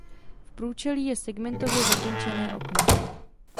V průčelí je segmentově zakončené okno.